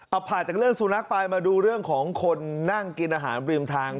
เอาผ่านจากเรื่องสุนัขไปมาดูเรื่องของคนนั่งกินอาหารริมทาง